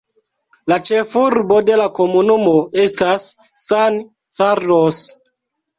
La ĉefurbo de la komunumo estas San Carlos.